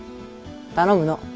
頼むの。